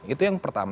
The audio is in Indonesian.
itu yang pertama